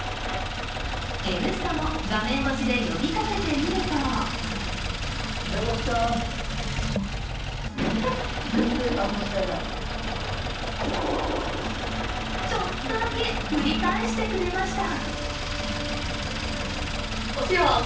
「Ｎスタ」も画面越しで呼びかけてみるとちょっとだけ振り返してくれました。